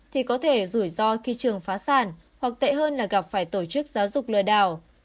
thì có thể rủi ro khi trường phá sản hoặc tệ hơn là gặp phải tổ chức giáo dục lừa đảo